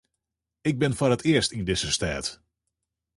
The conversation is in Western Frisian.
Ik bin foar it earst yn dizze stêd.